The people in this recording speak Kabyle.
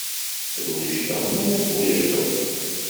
Ad wejdeɣ mi ara twejdeḍ.